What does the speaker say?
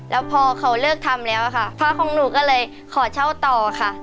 แล้วพอเขาเลิกทำแล้วค่ะพ่อของหนูก็เลยขอเช่าต่อค่ะ